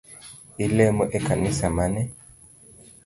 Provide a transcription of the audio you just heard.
Ilemo e kanisa mane?